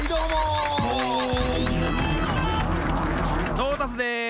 トータスです！